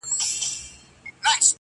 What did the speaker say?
چي سپارې مي د هغه ظالم دُرې ته!.